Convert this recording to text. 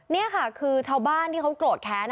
นี่ค่ะคือชาวบ้านที่เขาโกรธแค้น